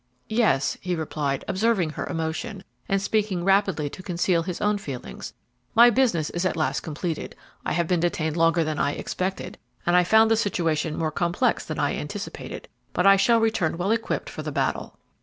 "Yes," he replied, observing her emotion, and speaking rapidly to conceal his own feelings; "my business is at last completed. I have been detained longer than I expected, and I found the situation more complex than I anticipated, but I shall return well equipped for the battle."